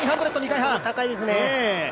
高いですね。